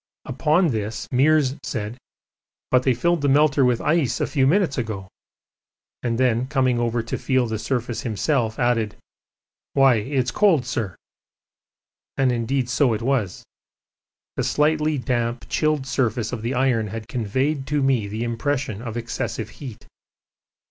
Upon this Meares said, 'But they filled the melter with ice a few minutes ago,' and then, coming over to feel the surface himself, added, 'Why, it's cold, sir.' And indeed so it was. The slightly damp chilled surface of the iron had conveyed to me the impression of excessive heat.